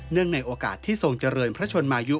ในโอกาสที่ทรงเจริญพระชนมายุ